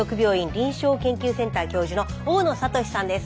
臨床研究センター教授の大野智さんです。